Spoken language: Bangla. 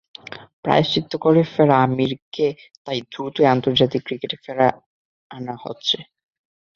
প্রায়শ্চিত্ত করে ফেরা আমিরকে তাই দ্রুতই আন্তর্জাতিক ক্রিকেটে ফিরিয়ে আনা হচ্ছে।